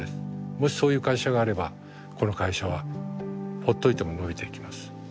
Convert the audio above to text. もしそういう会社があればこの会社はほっといても伸びていきます。